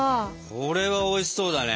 これはおいしそうだね。